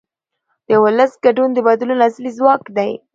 د ولس ګډون د بدلون اصلي ځواک دی